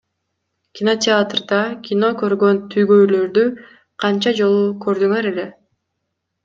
Кинотеатрда кино көргөн түгөйлөрдү канча жолу көрдүңөр эле?